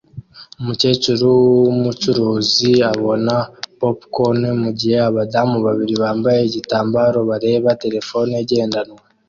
Umukecuru wubururu abona popcorn mugihe abadamu babiri bambaye igitambaro bareba terefone igendanwa